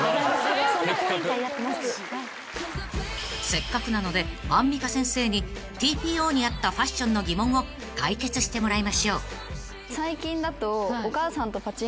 ［せっかくなのでアンミカ先生にＴＰＯに合ったファッションの疑問を解決してもらいましょう］